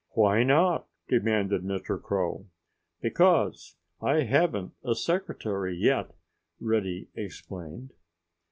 "Why not?" demanded Mr. Crow. "Because I haven't a secretary yet," Reddy explained.